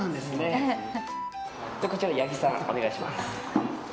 こちら、八木様お願いします。